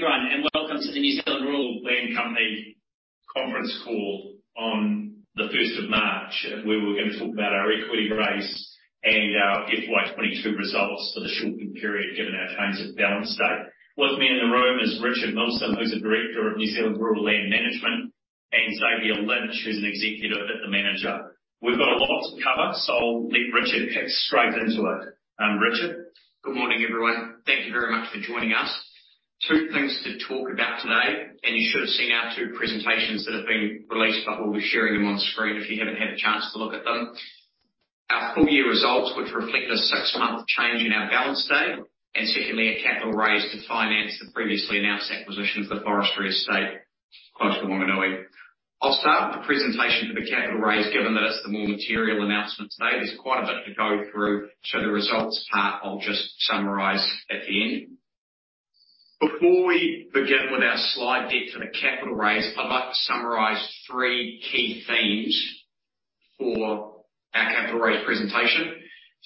Morning, everyone. Welcome to the New Zealand Rural Land Company conference call on the 1st of March. We were gonna talk about our equity raise and our FY 2022 results for the shortened period, given our change of balance date. With me in the room is Richard Milsom, who's a Director of New Zealand Rural Land Management, and Xavier Lynch, who's an executive at the Manager. We've got a lot to cover. I'll let Richard get straight into it. Richard. Good morning, everyone. Thank you very much for joining us. Two things to talk about today. You should have seen our two presentations that have been released. We'll be sharing them on screen if you haven't had a chance to look at them. Our full-year results, which reflect a six-month change in our balance date, and secondly, a capital raise to finance the previously announced acquisition of the forestry estate close to Whanganui. I'll start with the presentation for the capital raise, given that it's the more material announcement today. There's quite a bit to go through. The results part, I'll just summarize at the end. Before we begin with our slide deck for the capital raise, I'd like to summarize 3 key themes for our capital raise presentation.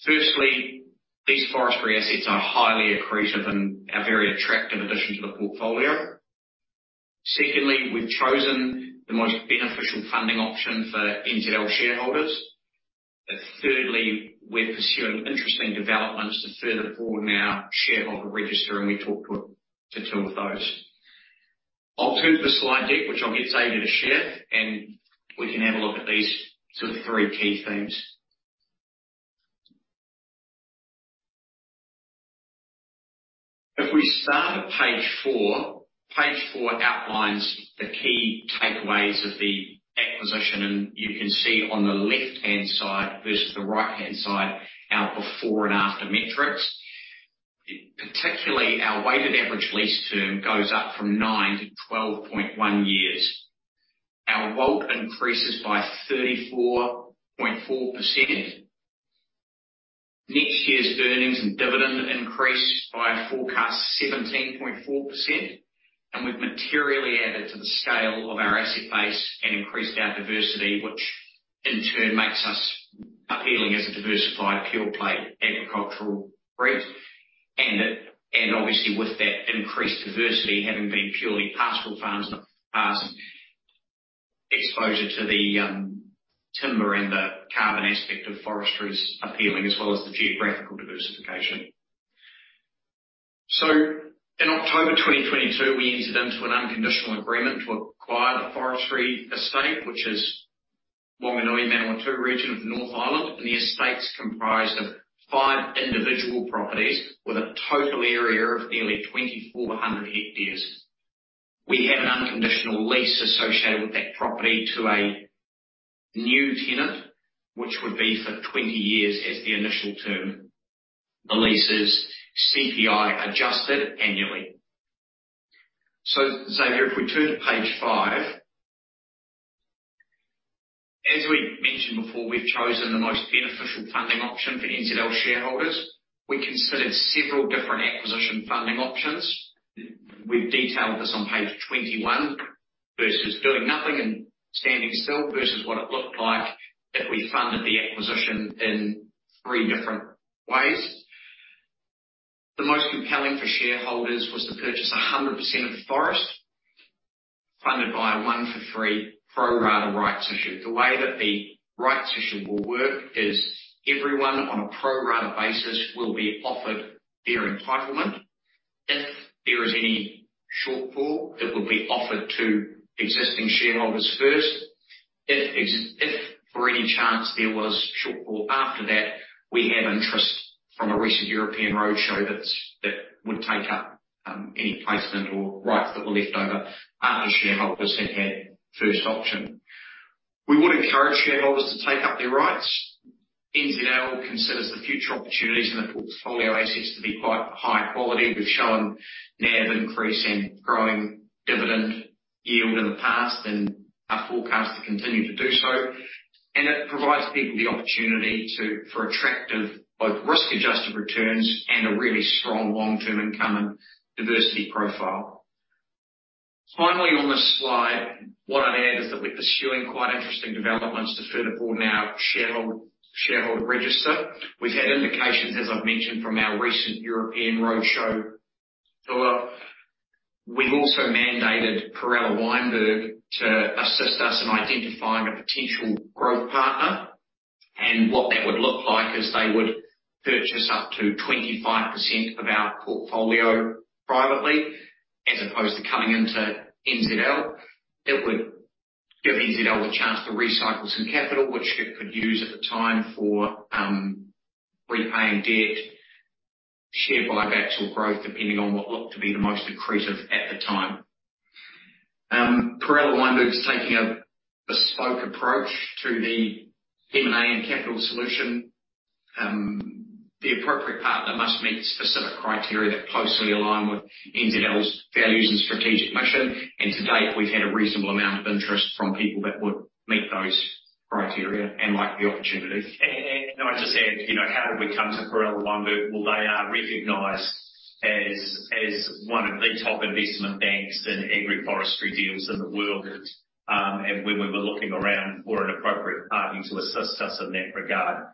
Firstly, these forestry assets are highly accretive and a very attractive addition to the portfolio. Secondly, we've chosen the most beneficial funding option for NZL shareholders. Thirdly, we're pursuing interesting developments to further broaden our shareholder register, and we talk to two of those. I'll turn to the slide deck, which I'll get Xavier to share, and we can have a look at these sort of three key themes. If we start at page four. Page four outlines the key takeaways of the acquisition, and you can see on the left-hand side versus the right-hand side, our before and after metrics. Particularly our weighted average lease term goes up from nine-12.1 years. Our WALT increases by 34.4%. Next year's earnings and dividend increase by a forecast 17.4%, and we've materially added to the scale of our asset base and increased our diversity, which in turn makes us appealing as a diversified pure-play agricultural REIT. Obviously with that increased diversity, having been purely pastoral farms in the past, exposure to the timber and the carbon aspect of forestry is appealing, as well as the geographical diversification. In October 2022, we entered into an unconditional agreement to acquire the forestry estate, which is Whanganui, Manawatū region of North Island. The estate's comprised of five individual properties with a total area of nearly 2,400 hectares. We have an unconditional lease associated with that property to a new tenant, which would be for 20 years as the initial term. The lease is CPI adjusted annually. Xavier, if we turn to page five. As we mentioned before, we've chosen the most beneficial funding option for NZL shareholders. We considered several different acquisition funding options. We've detailed this on page 21 versus doing nothing and standing still versus what it looked like if we funded the acquisition in three different ways. The most compelling for shareholders was to purchase 100% of the forest funded by a one for three pro rata rights issue. The way that the rights issue will work is everyone on a pro rata basis will be offered their entitlement. If there is any shortfall, it will be offered to existing shareholders first. If for any chance there was shortfall after that, we have interest from a recent European roadshow that's, that would take up any placement or rights that were left over after shareholders had first option. We would encourage shareholders to take up their rights. NZL considers the future opportunities in the portfolio assets to be quite high quality. We've shown NAV increase and growing dividend yield in the past and are forecast to continue to do so. It provides people the opportunity to, for attractive both risk-adjusted returns and a really strong long-term income and diversity profile. Finally, on this slide, what I'd add is that we're pursuing quite interesting developments to further broaden our shareholder register. We've had indications, as I've mentioned, from our recent European roadshow tour. We also mandated Perella Weinberg to assist us in identifying a potential growth partner. What that would look like is they would purchase up to 25% of our portfolio privately as opposed to coming into NZL. It would give NZL a chance to recycle some capital, which it could use at the time for repaying debt, share buybacks, or growth, depending on what looked to be the most accretive at the time. Perella Weinberg is taking a bespoke approach to the M&A and capital solution. The appropriate partner must meet specific criteria that closely align with NZL's values and strategic mission. To date, we've had a reasonable amount of interest from people that would meet those criteria and like the opportunity. Can I just add, you know, how did we come to Perella Weinberg? They are recognized as one of the top investment banks in agri-forestry deals in the world, and when we were looking around for an appropriate partner to assist us in that regard.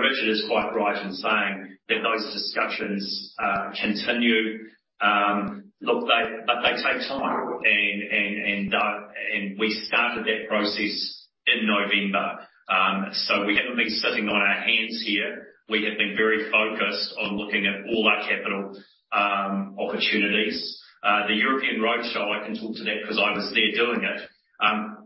Richard is quite right in that those discussions continue. Look, but they take time and we started that process in November. We haven't been sitting on our hands here. We have been very focused on looking at all our capital opportunities. The European roadshow, I can talk to that because I was there doing it.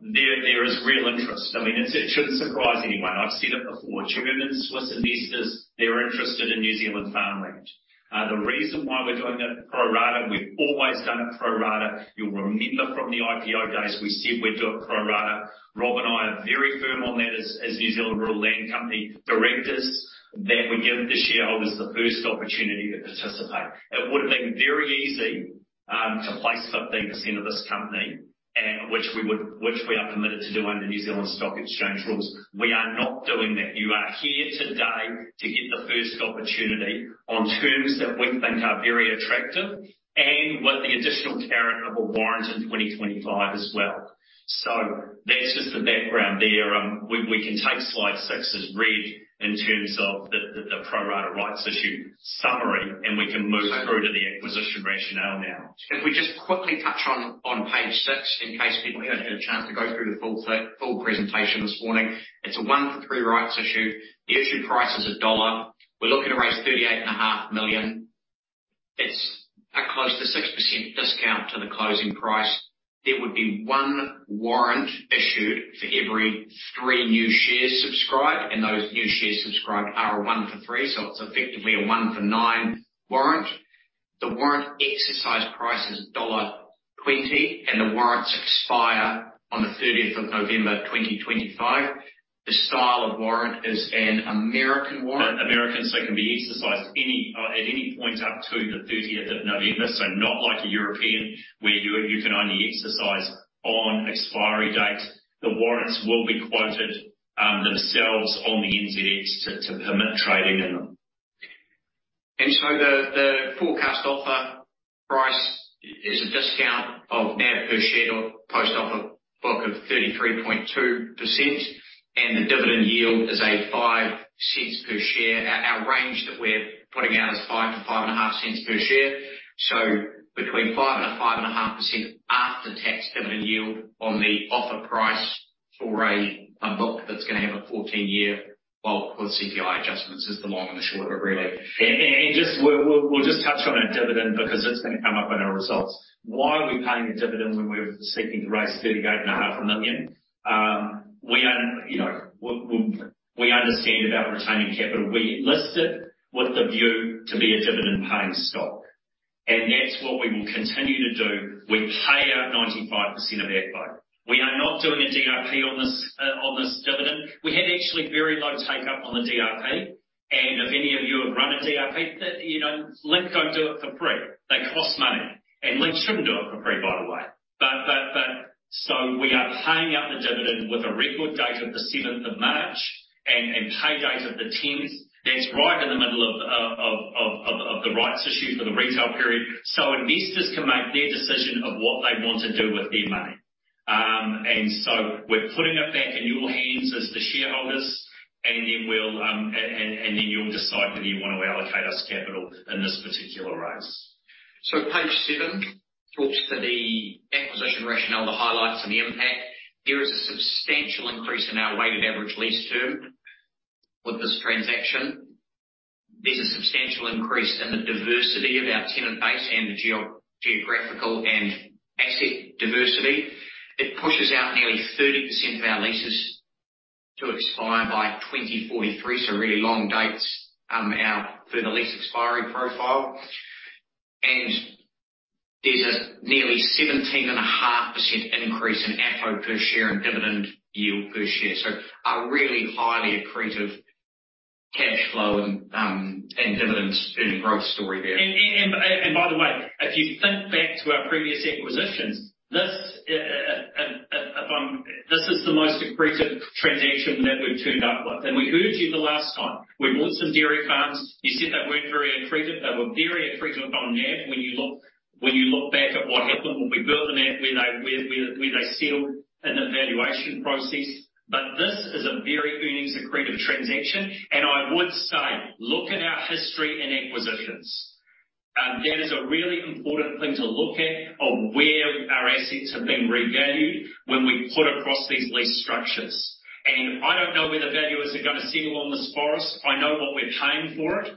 There is real interest. I mean, it shouldn't surprise anyone. I've said it before. German, Swiss investors, they're interested in New Zealand farmland. The reason why we're doing it pro rata, we've always done it pro rata. You'll remember from the IPO days, we said we'd do it pro rata. Rob and I are very firm on that as New Zealand Rural Land Company directors, that we give the shareholders the first opportunity to participate. It would have been very easy to place 15% of this company, and which we are committed to do under New Zealand Stock Exchange rules. We are not doing that. You are here today to get the first opportunity on terms that we think are very attractive and with the additional carrot of a warrant in 2025 as well. That's just the background there. we can take slide six as read in terms of the pro rata rights issue summary, and we can move through to the acquisition rationale now. Can we just quickly touch on page six in case people hadn't had a chance to go through the full presentation this morning. It's a one for three rights issue. The issue price is NZD one. We're looking to raise 38.5 million. It's a close to 6% discount to the closing price. There would be one warrant issued for everythree new shares subscribed, and those new shares subscribed are a one for three, so it's effectively a one for nine warrant. The warrant exercise price is NZD 1.20, and the warrants expire on the 30th of November 2025. The style of warrant is an American warrant. American, so it can be exercised any at any point up to the 30th of November. Not like a European, where you can only exercise on expiry date. The warrants will be quoted themselves on the NZX to permit trading in them. The forecast offer price is a discount of NAV per share or post-offer book of 33.2%. The dividend yield is 0.05 per share. Our range that we're putting out is 0.05-0.055 per share. Between 5 and 5.5% after-tax dividend yield on the offer price for a book that's going to have a 14-year, well, with CPI adjustments is the long and the short of it, really. Just we'll just touch on our dividend because it's gonna come up in our results. Why are we paying a dividend when we're seeking to raise 38.5 million? We are, you know, we understand about retaining capital. We listed with the view to be a dividend-paying stock, and that's what we will continue to do. We pay out 95% of FFO. We are not doing a DRP on this on this dividend. We had actually very low take-up on the DRP. If any of you have run a DRP, you know, Link don't do it for free. They cost money, and Link shouldn't do it for free, by the way. We are paying out the dividend with a record date of the 7th of March and pay date of the 10th. That's right in the middle of the rights issue for the retail period. Investors can make their decision of what they want to do with their money. We're putting it back in your hands as the shareholders, and then we'll, and then you'll decide whether you wanna allocate us capital in this particular raise. Page seven talks to the acquisition rationale, the highlights and the impact. There is a substantial increase in our weighted average lease term with this transaction. There's a substantial increase in the diversity of our tenant base and the geographical and asset diversity. It pushes out nearly 30% of our leases to expire by 2043, so really long dates, our further lease expiry profile. There's a nearly 17.5% increase in AFFO per share and dividend yield per share. A really highly accretive cash flow and dividend growth story there. By the way, if you think back to our previous acquisitions, this is the most accretive transaction that we've turned up with. We heard you the last time. We bought some dairy farms. You said they weren't very accretive. They were very accretive on NAV when you look back at what happened when we built them out, where they settled in the valuation process. This is a very earnings accretive transaction. I would say, look at our history in acquisitions. That is a really important thing to look at, of where our assets have been revalued when we put across these lease structures. I don't know where the valuers are gonna settle on this for us. I know what we're paying for it.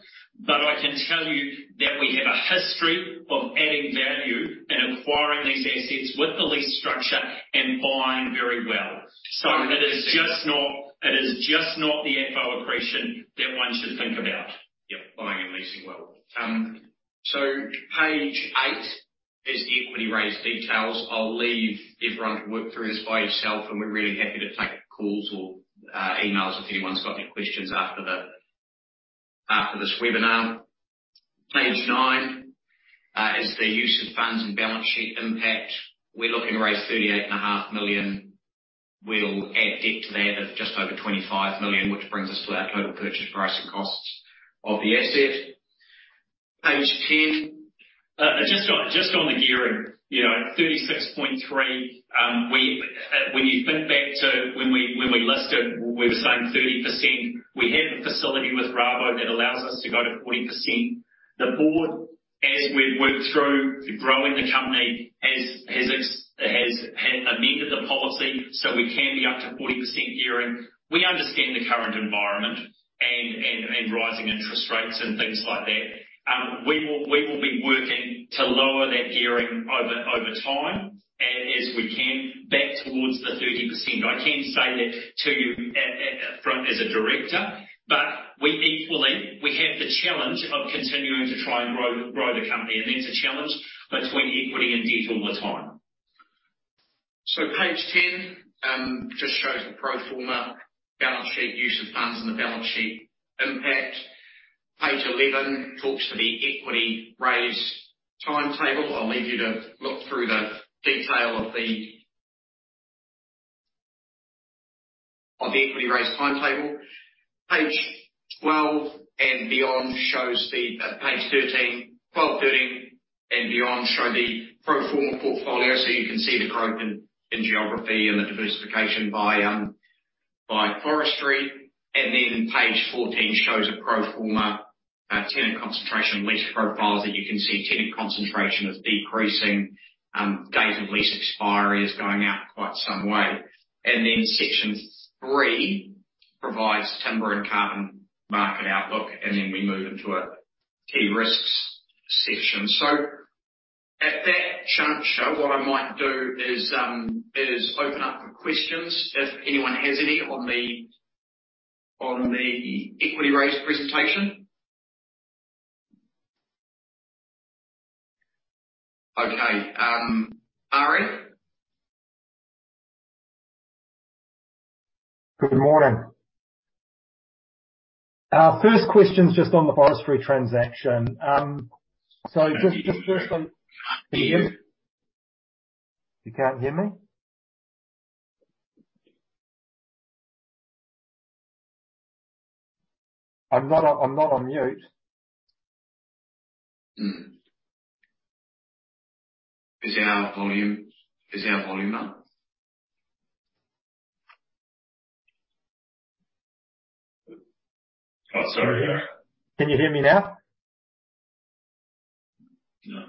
I can tell you that we have a history of adding value and acquiring these assets with the lease structure and buying very well. It is just not the AFFO accretion that one should think about. Yep. Buying and leasing well. Page eight is the equity raise details. I'll leave everyone to work through this by yourself, we're really happy to take calls or emails if anyone's got any questions after the, after this webinar. Page nine, is the use of funds and balance sheet impact. We're looking to raise thirty-eight and a half million. We'll add debt to that of just over 25 million, which brings us to our total purchase price and costs of the asset. Page 10. Just on the gearing. You know, at 36.3%, when you think back to when we listed, we were saying 30%. We have a facility with Rabobank that allows us to go to 40%. The board, as we've worked through growing the company, has amended the policy, so we can be up to 40% gearing. We understand the current environment and rising interest rates and things like that. We will be working to lower that gearing over time as we can back towards the 30%. I can say that to you at upfront as a director, but we equally, we have the challenge of continuing to try and grow the company, and that's a challenge between equity and debt all the time. Page 10 just shows the pro forma balance sheet, use of funds and the balance sheet impact. Page 11 talks to the equity raise timetable. I'll leave you to look through the detail of the equity raise timetable. Page 12 and beyond shows the page 13. 12, 13 and beyond show the pro forma portfolio, so you can see the growth in geography and the diversification by forestry. Page 14 shows a pro forma tenant concentration lease profiles that you can see. Tenant concentration is decreasing. Days of lease expiry is going out quite some way. Section three provides timber and carbon market outlook, and then we move into a key risks section. At that juncture, what I might do is open up for questions if anyone has any on the equity raise presentation. Okay. Ari? Good morning. Our first question is just on the forestry transaction. Just firstly. Can you hear me? You can't hear me? I'm not on mute. Is our volume up? Oh, sorry. Can you hear me now? No.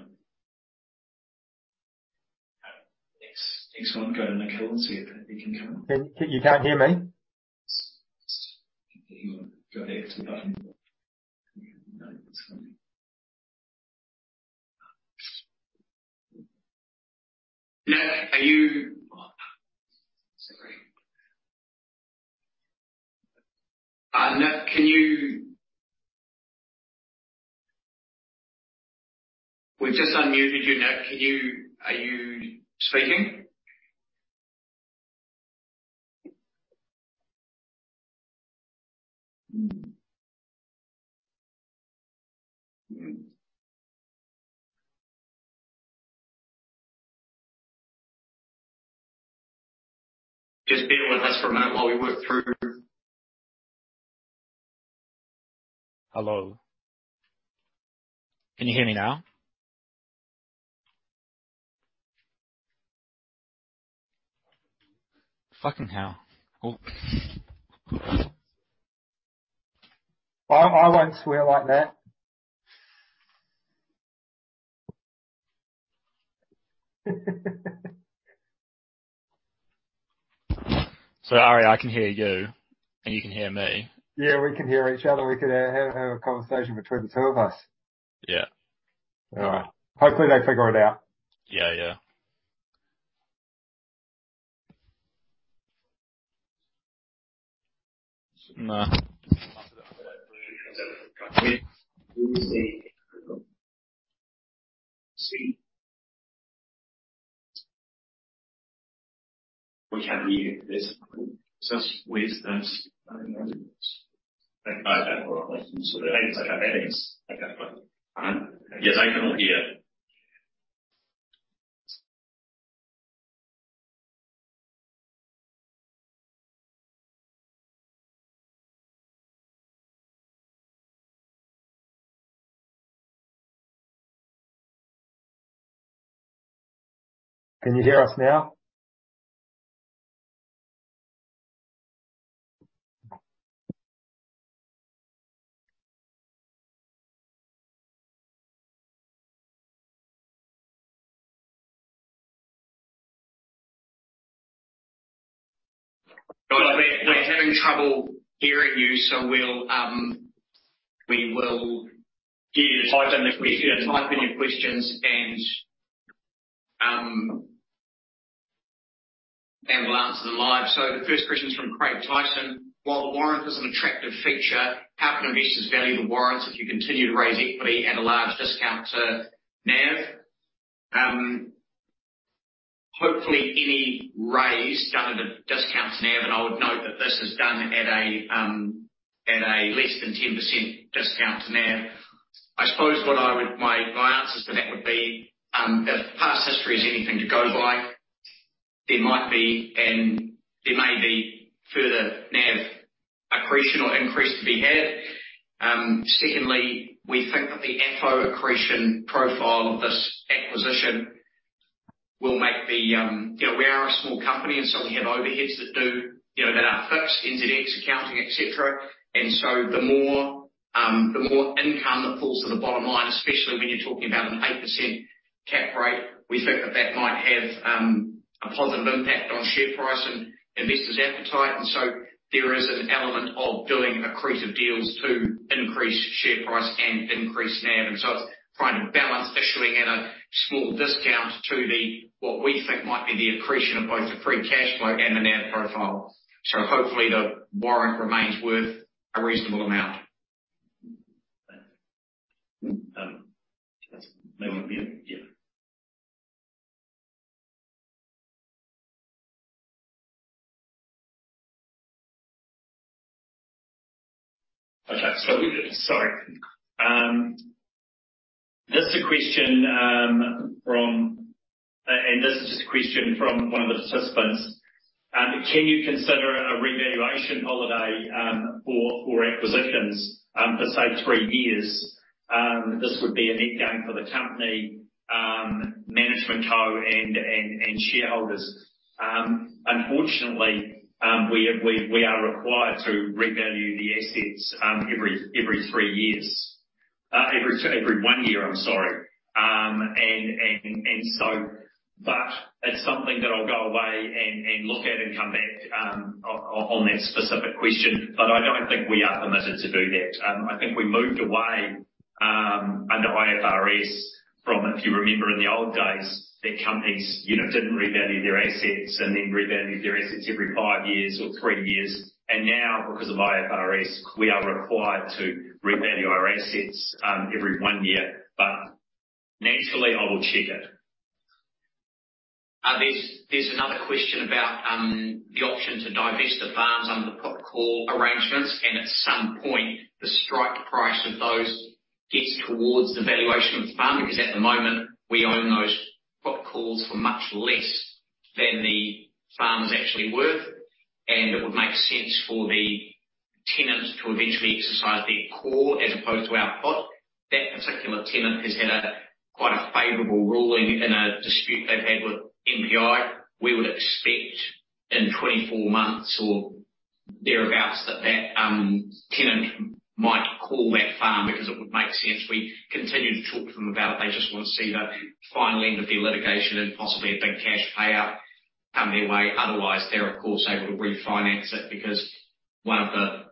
It's gone. Go to Nicole and see if he can come on. You can't hear me? Go here to the bottom. No, it's funny. Nick, are you. Sorry. Nick, can you. We've just unmuted you, Nick. Can you. Are you speaking? Hmm. Just bear with us for a moment while we work through. Hello. Can you hear me now? Oh. I won't swear like that. Ari, I can hear you and you can hear me. Yeah, we can hear each other. We could have a conversation between the two of us. Yeah. All right. Hopefully they figure it out. Yeah, yeah. No. Can you hear us now? They're having trouble hearing you, so we'll. Type in the question. Type in your questions, and we'll answer them live. The first question is from Craig Tyson. While the warrant is an attractive feature, how can investors value the warrants if you continue to raise equity at a large discount to NAV? Hopefully any raise done at a discount to NAV, and I would note that this is done at a less than 10% discount to NAV. I suppose my answer to that would be, if past history is anything to go by, there may be further NAV accretion or increase to be had. Secondly, we think that the FFO accretion profile of this acquisition will make the, you know, we are a small company, we have overheads that do, you know, that are fixed, NZX accounting, et cetera. The more, the more income that falls to the bottom line, especially when you're talking about an 8% cap rate, we think that that might have a positive impact on share price and investors' appetite. There is an element of doing accretive deals to increase share price and increase NAV. It's trying to balance issuing at a small discount to the, what we think might be the accretion of both the free cash flow and the NAV profile. Hopefully, the warrant remains worth a reasonable amount. They want to be, yeah. Okay. Sorry. This is a question, and this is just a question from one of the participants. Can you consider a revaluation holiday for acquisitions for, say, three years? This would be a net gain for the company, management co and shareholders. Unfortunately, we are required to revalue the assets every three years. Every one year, I'm sorry. It's something that I'll go away and look at and come back on that specific question. I don't think we are permitted to do that. I think we moved away under IFRS from, if you remember in the old days, that companies, you know, didn't revalue their assets and then revalued their assets every five years or three years. Now, because of IFRS, we are required to revalue our assets, every one year. Naturally, I will check it. There's another question about the option to divest the farms under the put call arrangements. At some point, the strike price of those gets towards the valuation of the farm. At the moment we own those put calls for much less than the farm is actually worth, and it would make sense for the tenant to eventually exercise their call as opposed to our put. That particular tenant has had a quite a favorable ruling in a dispute they've had with NPI. We would expect in 24 months or thereabouts that that tenant might call that farm because it would make sense. We continue to talk to them about it. They just want to see the final end of their litigation and possibly a big cash payout come their way. Otherwise, they're of course able to refinance it because one of the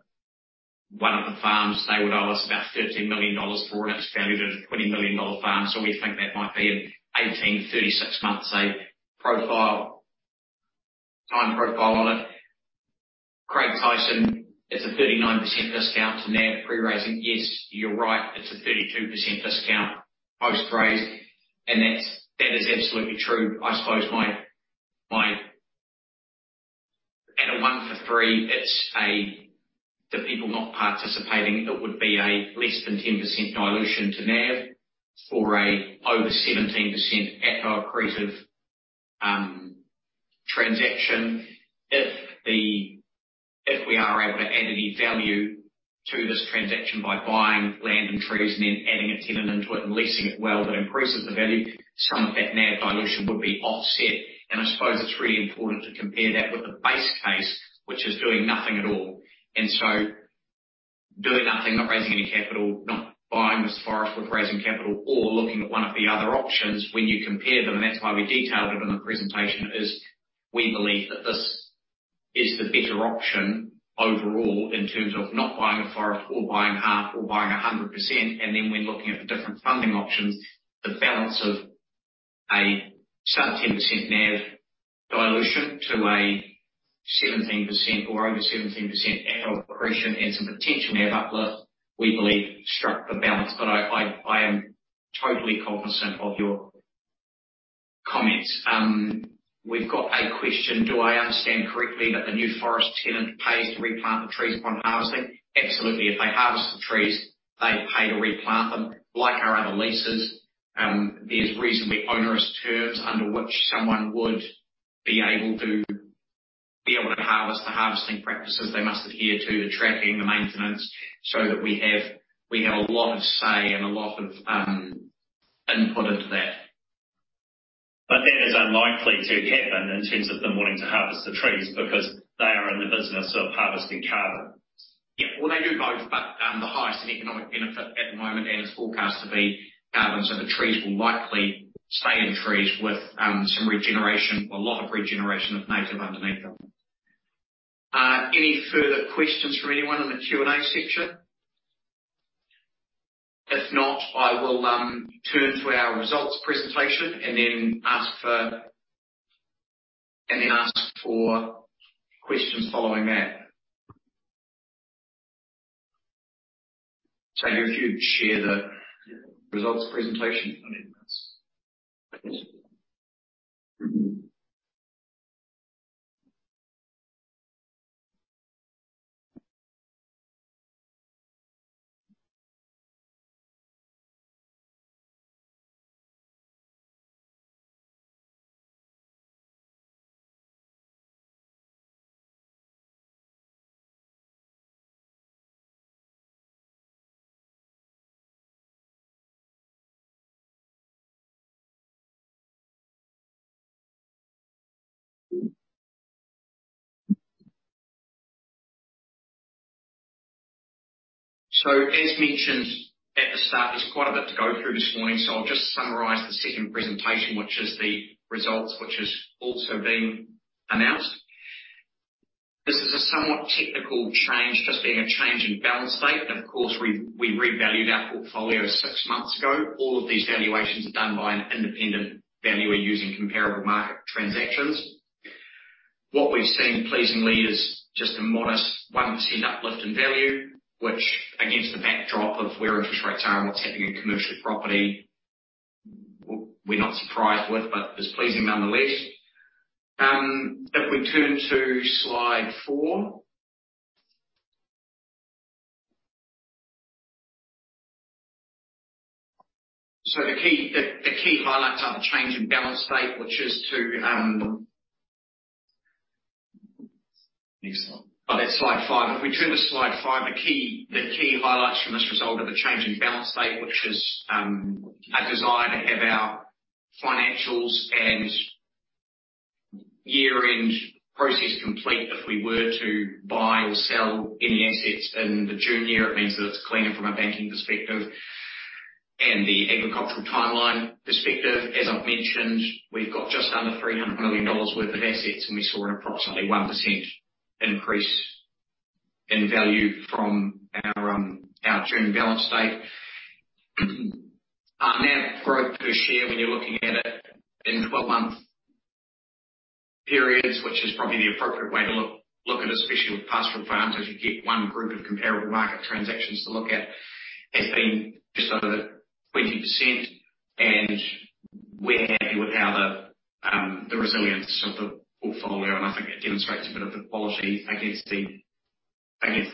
farms, they would owe us about 15 million dollars for it, and it's valued at a 20 million dollar farm. We think that might be in 18-36 months, a profile, time profile on it. Craig Tyson, it's a 39% discount to NAV pre-raising. Yes, you're right, it's a 32% discount post-raise. That is absolutely true. I suppose my. At a one for three, it's the people not participating, it would be a less than 10% dilution to NAV or a over 17% FFO accretive transaction. If the, if we are able to add any value to this transaction by buying land and trees and then adding a tenant into it and leasing it well, that increases the value. Some of that NAV dilution would be offset. I suppose it's really important to compare that with the base case, which is doing nothing at all. Doing nothing, not raising any capital, not buying this forest with raising capital or looking at one of the other options when you compare them, and that's why we detailed it in the presentation, is we believe that this is the better option overall in terms of not buying a forest or buying half or buying 100%. When looking at the different funding options, the balance of a sub 10% NAV dilution to a 17% or over 17% FFO accretion and some potential NAV uplift, we believe struck the balance. I am totally cognizant of your comments. We've got a question. Do I understand correctly that the new forest tenant pays to replant the trees upon harvesting? Absolutely. If they harvest the trees, they pay to replant them, like our other leases. There's reasonably onerous terms under which someone would be able to harvest. The harvesting practices they must adhere to, the tracking, the maintenance. We have a lot of say and a lot of input into that. That is unlikely to happen in terms of them wanting to harvest the trees because they are in the business of harvesting carbon. Well, they do both, but the highest in economic benefit at the moment, and it's forecast to be carbon. The trees will likely stay in trees with some regeneration or a lot of regeneration of native underneath them. Any further questions from anyone in the Q&A section? If not, I will turn to our results presentation and then ask for questions following that. If you'd share the results presentation. Yes. As mentioned at the start, there's quite a bit to go through this morning, so I'll just summarize the second presentation, which is the results which has also been announced. This is a somewhat technical change, just being a change in balance date. Of course, we revalued our portfolio six months ago. All of these valuations are done by an independent valuer using comparable market transactions. What we've seen pleasingly is just a modest 1% uplift in value, which against the backdrop of where interest rates are and what's happening in commercial property, we're not surprised with, but it's pleasing nonetheless. If we turn to slide four. The key highlights are the change in balance date, which is to Next slide. That's slide five. If we turn to slide five, the key highlights from this result are the change in balance date, which is a desire to have our financials and year-end process complete. If we were to buy or sell any assets in the June year, it means that it's cleaner from a banking perspective and the agricultural timeline perspective. As I've mentioned, we've got just under 300 million dollars worth of assets, and we saw an approximately 1% increase in value from our June balance date. Our NAV growth per share when you're looking at it in 12-month periods, which is probably the appropriate way to look at, especially with pastoral farms, as you get one group of comparable market transactions to look at, has been just over 20%. We're happy with how the resilience of the portfolio, and I think it demonstrates a bit of the quality against the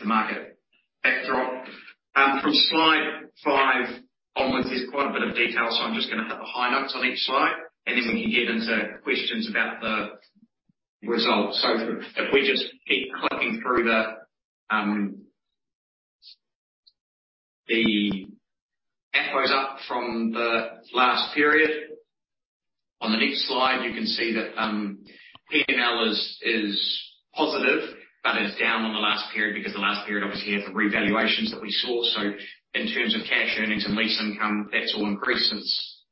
market backdrop. From slide five six onwards, there's quite a bit of detail, so I'm just gonna hit the high notes on each slide, and then we can get into questions about the results. If we just keep clicking through the FFO's up from the last period. On the next slide, you can see that PNL is positive, but it's down on the last period because the last period obviously had the revaluations that we saw. In terms of cash earnings and lease income, that's all increased since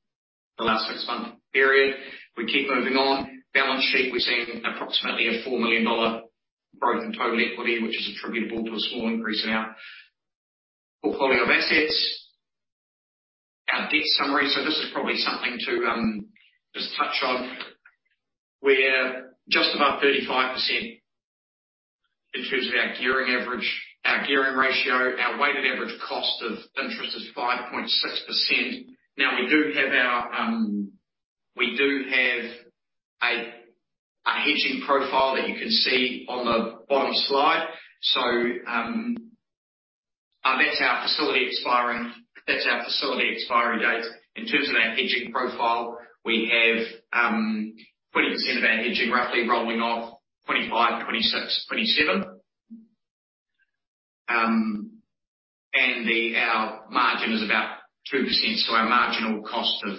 the last six-month period. We keep moving on. Balance sheet, we're seeing approximately 4 million dollar growth in total equity, which is attributable to a small increase in our portfolio of assets. Our debt summary. This is probably something to just touch on. We're just about 35% in terms of our gearing average, our gearing ratio. Our weighted average cost of interest is 5.6%. Now, we do have a hedging profile that you can see on the bottom slide. That's our facility expiry date. In terms of our hedging profile, we have 20% of our hedging roughly rolling off 2025, 2026, 2027. Our margin is about 2%, so our marginal cost of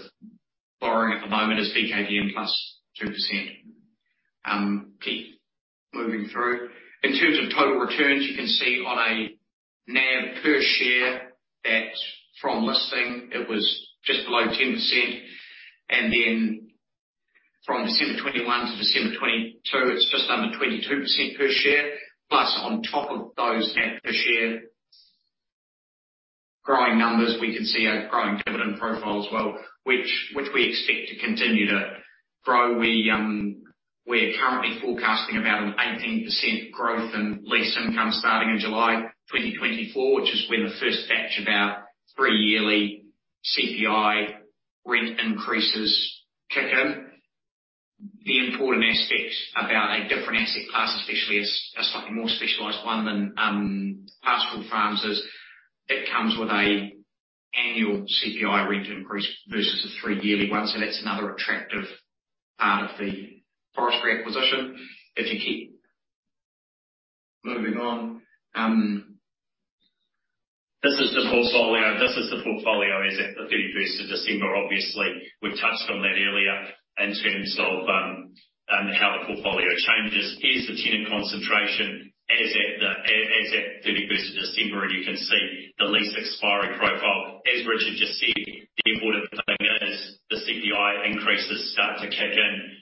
borrowing at the moment is BKBM plus 2%. Keep moving through. In terms of total returns, you can see on a NAV per share that from listing, it was just below 10%. From December 2021 to December 2022, it's just under 22% per share. Plus on top of those NAV per share growing numbers, we can see a growing dividend profile as well, which we expect to continue to grow. We're currently forecasting about an 18% growth in lease income starting in July 2024, which is when the first batch, about three-yearly CPI rent increases kick in. The important aspect about a different asset class, especially a slightly more specialized one than pastoral farms, is it comes with an annual CPI rent increase versus a three-yearly one, that's another attractive part of the forestry acquisition. If you keep moving on, this is the portfolio as at the 31st of December. Obviously, we've touched on that earlier in terms of how the portfolio changes. Here's the tenant concentration as at the 31st of December, you can see the lease expiry profile. As Richard just said, the important thing is the CPI increases start to kick in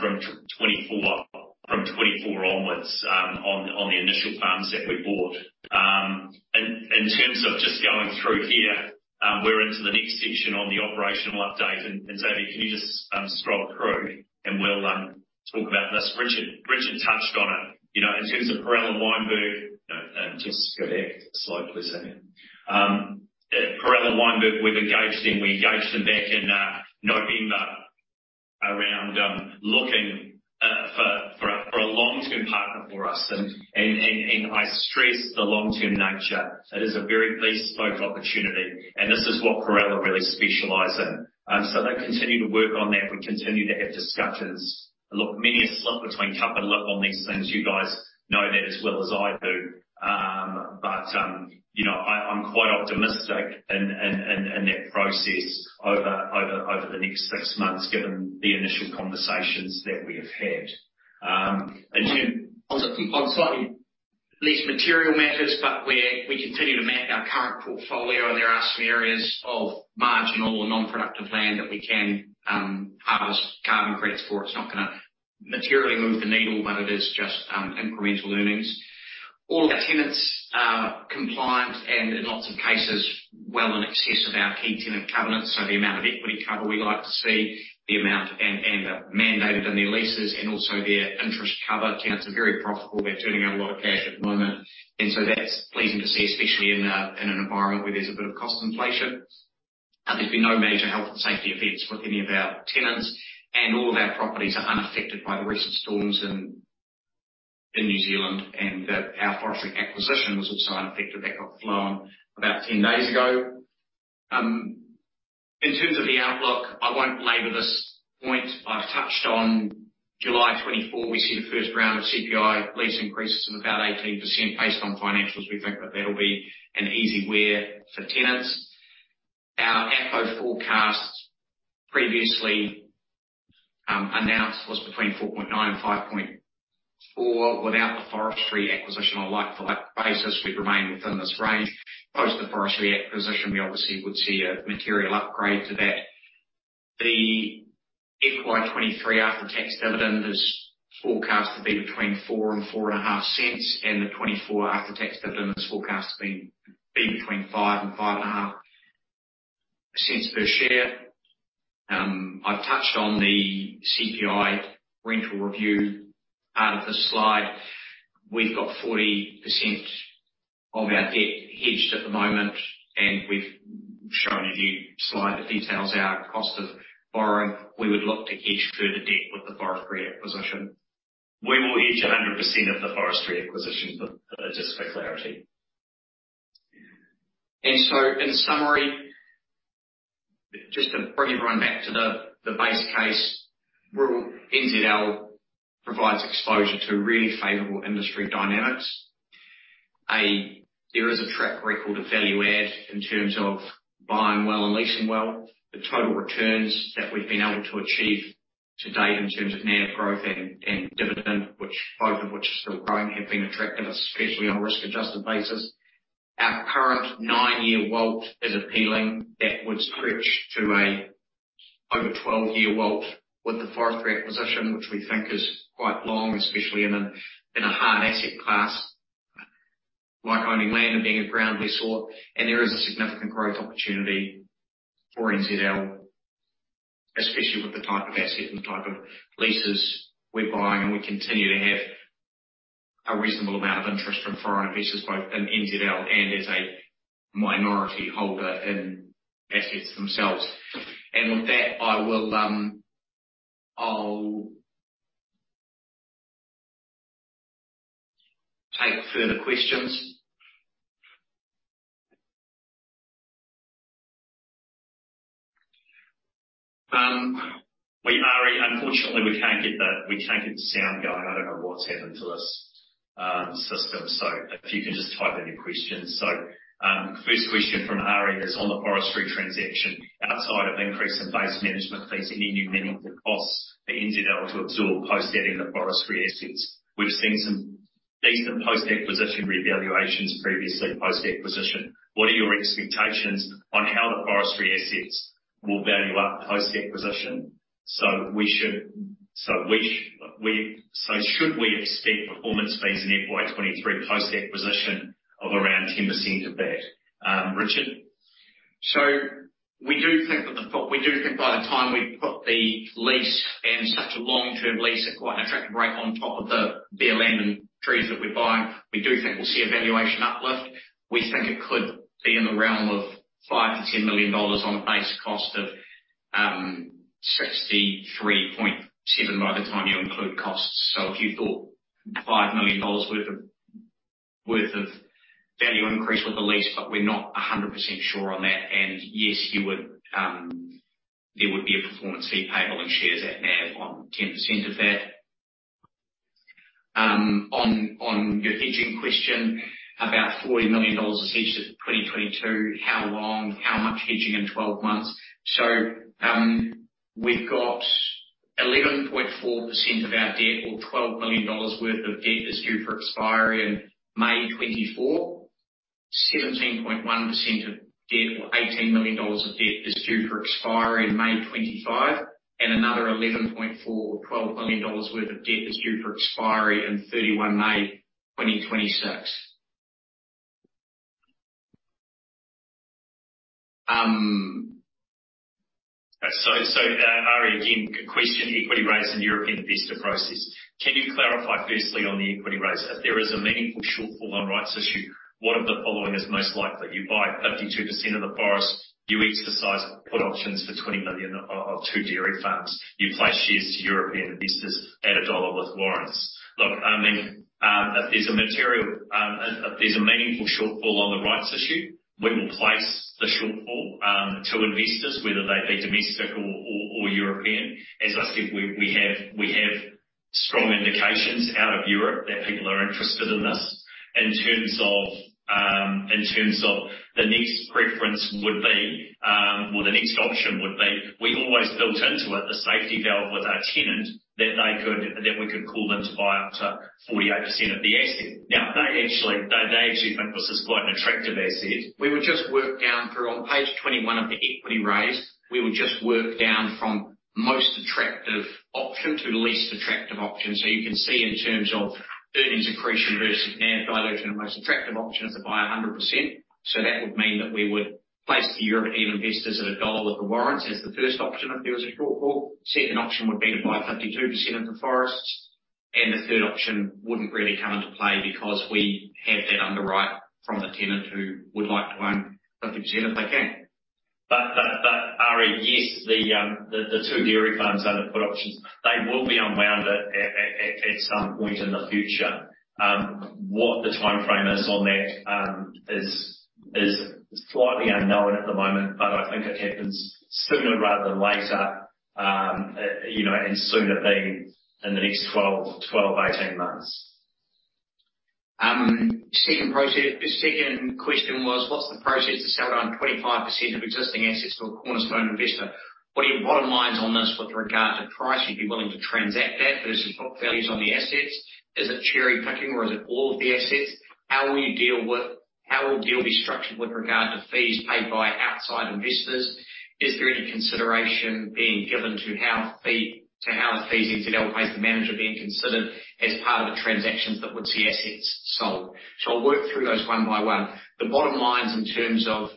from 2024 onwards on the initial farms that we bought. In terms of just going through here, we're into the next section on the operational update. Xavi, can you just scroll through and we'll talk about this. Richard touched on it. You know, in terms of Perella Weinberg. Just go back a slide, please, Xavi. At Perella Weinberg, we've engaged them. We engaged them back in November around lookingA long-term partner for us and I stress the long-term nature. It is a very bespoke opportunity, and this is what Colliers really specialize in. They continue to work on that. We continue to have discussions. Look, many a slip between cup and lip on these things. You guys know that as well as I do. You know, I'm quite optimistic in that process over the next six months, given the initial conversations that we have had. In terms on slightly less material matters, but we continue to map our current portfolio, and there are some areas of marginal or non-productive land that we can harvest carbon credits for. It's not gonna materially move the needle, but it is just incremental earnings. All of our tenants are compliant and in lots of cases well in excess of our key tenant covenants. The amount of equity cover we like to see, the amount and are mandated in their leases and also their interest cover. Tenants are very profitable. They're turning out a lot of cash at the moment, and so that's pleasing to see, especially in an environment where there's a bit of cost inflation. There's been no major health and safety events with any of our tenants, and all of our properties are unaffected by the recent storms in New Zealand. Our forestry acquisition was also unaffected. That got flown about 10 days ago. In terms of the outlook, I won't labor this point. I've touched on July 2024. We see the first round of CPI lease increases of about 18% based on financials. We think that that'll be an easy wear for tenants. Our AFFO forecast previously announced was between 4.9 and 5.4. Without the forestry acquisition on a like for like basis, we'd remain within this range. Post the forestry acquisition, we obviously would see a material upgrade to that. The FY 2023 after-tax dividend is forecast to be between four and a half cents, and the 2024 after-tax dividend is forecast to be between five and a half cents per share. I've touched on the CPI rental review out of this slide. We've got 40% of our debt hedged at the moment, and we've shown a new slide that details our cost of borrowing. We would look to hedge further debt with the forestry acquisition. We will hedge 100% of the forestry acquisition, just for clarity. In summary, just to bring everyone back to the base case, Rural NZL provides exposure to really favorable industry dynamics. There is a track record of value add in terms of buying well and leasing well. The total returns that we've been able to achieve to date in terms of NAV growth and dividend, which both of which are still growing, have been attractive, especially on a risk-adjusted basis. Our current nine-year WALT is appealing. That would stretch to a over 12-year WALT with the forestry acquisition, which we think is quite long, especially in a hard asset class like owning land and being a ground leasehold. There is a significant growth opportunity for NZL, especially with the type of asset and the type of leases we're buying. We continue to have a reasonable amount of interest from foreign investors both in NZL and as a minority holder in assets themselves. With that, I will, I'll take further questions. Ari, unfortunately, we can't get the sound going. I don't know what's happened to this system. If you can just type in your questions. First question from Ari is on the forestry transaction. Outside of increase in base management fees, are there any new meaningful costs for NZL to absorb post getting the forestry assets? We've seen some decent post-acquisition revaluations previously post-acquisition. What are your expectations on how the forestry assets will value up post-acquisition? Should we expect performance fees in FY 2023 post-acquisition of around 10% of that? Richard. We do think by the time we put the lease and such a long-term lease at quite an attractive rate on top of the bare land and trees that we're buying, we do think we'll see a valuation uplift. We think it could be in the realm of 5 million-10 million dollars on a base cost of 63.7 million by the time you include costs. If you thought 5 million dollars worth of value increase with the lease, but we're not 100% sure on that. Yes, you would, there would be a performance fee payable in shares at NAV on 10% of that. On your hedging question, about 40 million dollars is hedged as of 2022. How long, how much hedging in 12 months? We've got 11.4% of our debt or 12 million dollars worth of debt is due for expiry in May 2024. 17.1% of debt or NZD 18 million of debt is due for expiry in May 2025. And another 11.4% or NZD 12 million worth of debt is due for expiry in 31 May 2026. Ari, again, question equity raise and European investor process. Can you clarify firstly on the equity raise, if there is a meaningful shortfall on rights issue, what of the following is most likely? You buy 52% of the forest, you exercise put options for 20 million of two dairy farms. You place shares to European investors at NZD 1 with warrants. Look, I mean, if there's a material, if there's a meaningful shortfall on the rights issue, we will place the shortfall to investors, whether they be domestic or European. As I said, we have strong indications out of Europe that people are interested in this. In terms of, in terms of the next preference would be, or the next option would be, we always built into it the safety valve with our tenant that we could call them to buy up to 48% of the asset. Now, they actually think this is quite an attractive asset. We would just work down through on page 21 of the equity raise. We would just work down from most attractive option to the least attractive option. You can see in terms of earnings accretion versus NAV dilution and most attractive option is to buy 100%. That would mean that we would place the European investors at NZD 1 with the warrants as the first option if there was a shortfall. Second option would be to buy 52% of the forests, and the third option wouldn't really come into play because we have that underwrite from the tenant who would like to own 50% if they can. Ari, yes, the two dairy farms are the put options. They will be unwound at some point in the future. What the timeframe is on that is slightly unknown at the moment, but I think it happens sooner rather than later, you know, and sooner being in the next 12-18 months. The second question was what's the process to sell down 25% of existing assets to a cornerstone investor? What are your bottom lines on this with regard to price you'd be willing to transact at versus book values on the assets? Is it cherry-picking or is it all of the assets? How will the deal be structured with regard to fees paid by outside investors? Is there any consideration being given to how are fees NZL pays the manager being considered as part of the transactions that would see assets sold? I'll work through those one by one. The bottom lines in terms of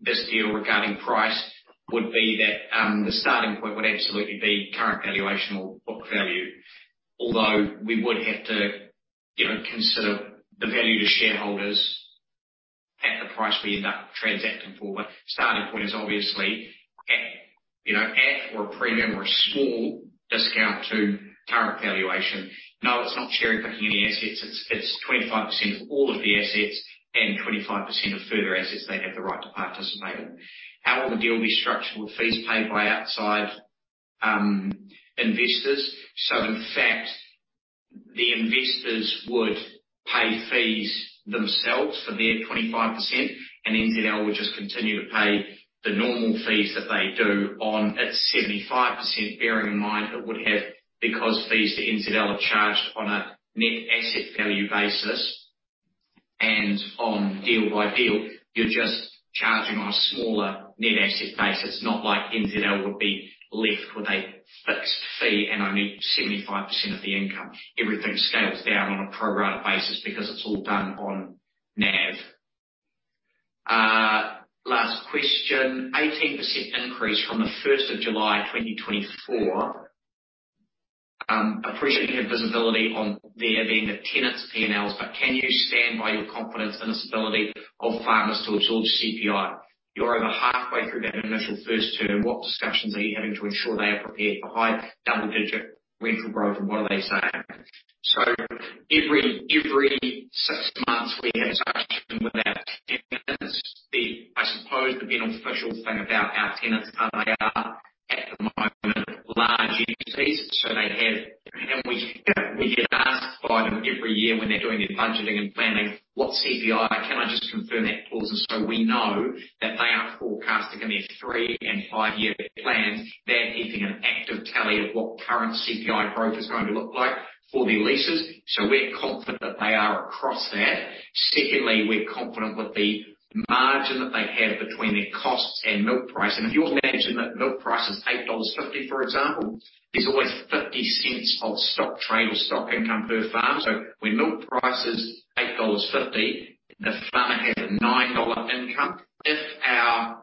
this deal regarding price would be that the starting point would absolutely be current valuation or book value. Although we would have to, you know, consider the value to shareholders at the price we end up transacting for. Starting point is obviously at, you know, at, or a premium or a small discount to current valuation. It's not cherry-picking any assets. It's 25% of all of the assets and 25% of further assets they have the right to participate in. How will the deal be structured with fees paid by outside investors? In fact, the investors would pay fees themselves for their 25%, and NZL would just continue to pay the normal fees that they do on its 75%. Bearing in mind it would have because fees to NZL are charged on a net asset value basis and on deal by deal, you're just charging on a smaller net asset base. It's not like NZL would be left with a fixed fee and only 75% of the income. Everything scales down on a pro-rata basis because it's all done on NAV. Last question. 18% increase from July 1, 2024. Appreciate you have visibility on there being the tenants P&Ls, but can you stand by your confidence in this ability of farmers to absorb CPI? You're over halfway through that initial first term. What discussions are you having to ensure they are prepared for high double-digit rental growth and what are they saying? Every six months we have touch with our tenants. I suppose the beneficial thing about our tenants are they are at the moment large entities. They have, we, we get asked by them every year when they're doing their budgeting and planning, "What's CPI? Can I just confirm that clause?" We know that they are forecasting in their three- and five-year plans. They're keeping an active tally of what current CPI growth is going to look like for their leases. We're confident they are across that. Secondly, we're confident with the margin that they have between their costs and milk price. If you imagine that milk price is 8.50 dollars, for example, there's always 0.50 of stock trade or stock income per farm. When milk price is 8.50 dollars, the farmer has a 9 dollar income. If our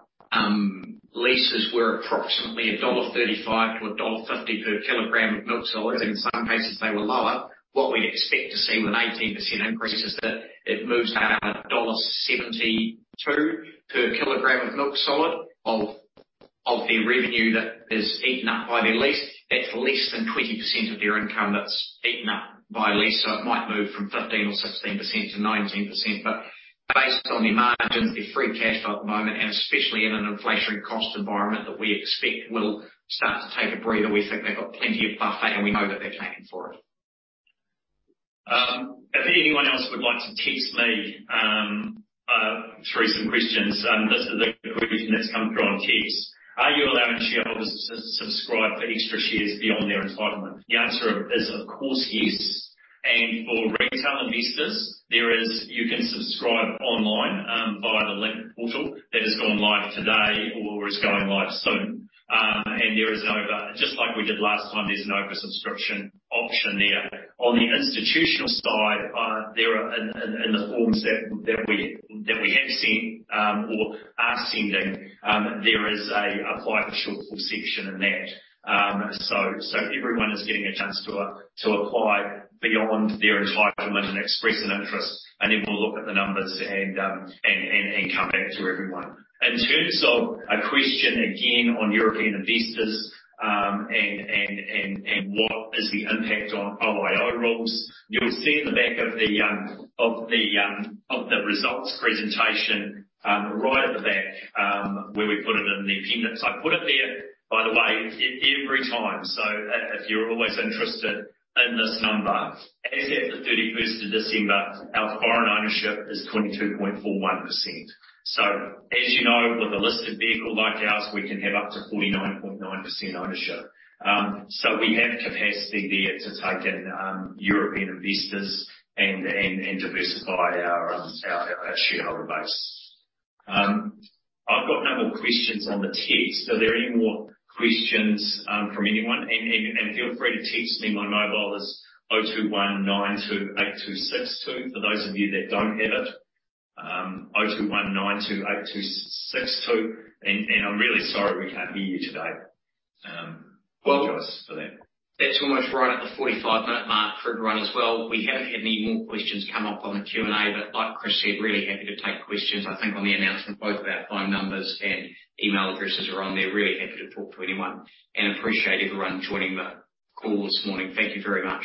leases were approximately dollar 1.35 to dollar 1.50 per kilogram of milk solids, in some cases, they were lower, what we'd expect to see with an 18% increase is that it moves down to dollar 1.72 per kilogram of milk solid of their revenue that is eaten up by their lease. That's less than 20% of their income that's eaten up by a lease. It might move from 15% or 16% to 19%. Based on their margins, their free cash flow at the moment, and especially in an inflationary cost environment that we expect will start to take a breather, we think they've got plenty of buffet, and we know that they're paying for it. If anyone else would like to text me through some questions, this is a question that's come through on text. Are you allowing shareholders to subscribe for extra shares beyond their entitlement? The answer is, of course, yes. For retail investors, you can subscribe online via the Link portal that has gone live today or is going live soon. Just like we did last time, there's an oversubscription option there. On the institutional side, there are in the forms that we have sent or are sending, there is apply for shortfall section in that. Everyone is getting a chance to apply beyond their entitlement and express an interest, and then we'll look at the numbers and come back to everyone. In terms of a question again on European investors, what is the impact on OIO rules. You'll see in the back of the of the of the results presentation, right at the back, where we put it in the appendix. I put it there, by the way, every time. As you're always interested in this number. As at the 31st of December, our foreign ownership is 22.41%. As you know, with a listed vehicle like ours, we can have up to 49.9% ownership. We have capacity there to take in European investors and diversify our shareholder base. I've got no more questions on the text. Are there any more questions from anyone? Feel free to text me. My mobile is 021 928 262. For those of you that don't have it, 021 928 262. I'm really sorry we can't hear you today. Apologies for that. That's almost right at the 45-minute mark for everyone as well. We haven't had any more questions come up on the Q&A, but like Chris said, really happy to take questions. I think on the announcement, both of our phone numbers and email addresses are on there. Really happy to talk to anyone and appreciate everyone joining the call this morning. Thank you very much.